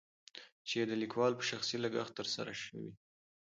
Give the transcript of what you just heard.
چې دليکوال په شخصي لګښت تر سره شوي.